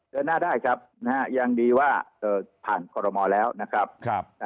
เดินหน้าได้ครับนะฮะยังดีว่าผ่านคอรมอลแล้วนะครับ